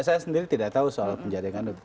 saya sendiri tidak tahu soal penjaringan